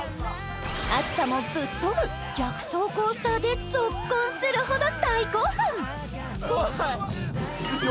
暑さもぶっ飛ぶ逆走コースターでゾッコンするほど大興奮！